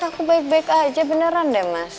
aku baik baik aja beneran deh mas